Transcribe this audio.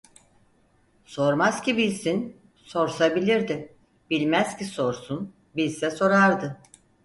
Sormaz ki bilsin, sorsa bilirdi; bilmez ki sorsun, bilse sorardı.